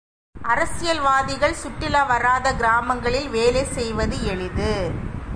அரசியல்வாதிகள் சுற்றுலா வராத கிராமங்களில் வேலை செய்வது எளிது.